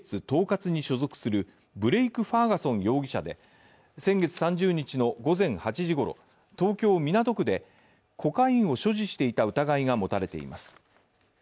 東葛に所属するブレイク・ファーガソン容疑者で、先月３０日の午前８時ごろ東京・港区でコカインを所持していた疑いが持たれています。